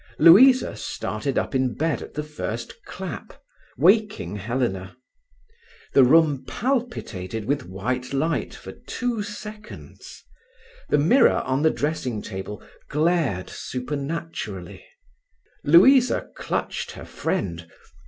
Louisa started up in bed at the first clap, waking Helena. The room palpitated with white light for two seconds; the mirror on the dressing table glared supernaturally. Louisa clutched her friend.